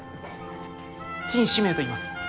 陳志明といいます。